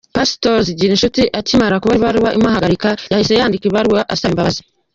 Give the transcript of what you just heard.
Pastor Zigirinshuti akimara kubona ibaruwa imuhagarika, yahise yandika ibaruwa asaba imbabazi.